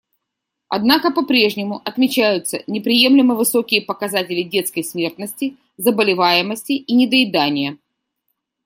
Однако попрежнему отмечаются неприемлемо высокие показатели детской смертности, заболеваемости и недоедания.